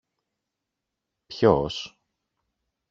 Ποιος;